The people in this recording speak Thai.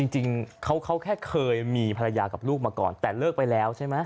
จริงเขาแค่เคยมีภรรยากับลูกมาก่อนแต่เลิกไปแล้วใช่ไหม